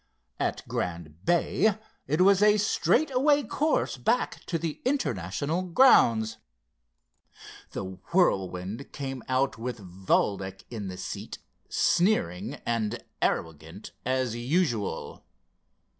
At Grand Bay it was a straight away course back to the International grounds. The Whirlwind came out with Valdec in the seat sneering and arrogant as usual.